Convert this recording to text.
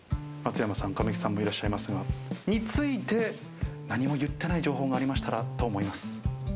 松山さん、神木さんもいらっしゃいますが、それについて何も言っていない情報がありましたらと思います。